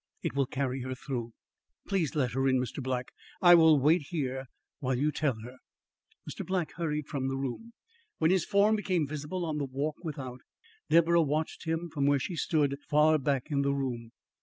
It will carry her through." "Please let her in, Mr. Black. I will wait here while you tell her." Mr. Black hurried from the room. When his form became visible on the walk without, Deborah watched him from where she stood far back in the room.